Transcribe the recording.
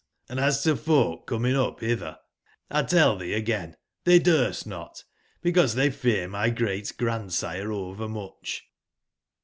Hnd as to folk coming up bitber, 1 tell tbeeagain tbey durstnot; because tbey fear my great/ grand/sire over mucb.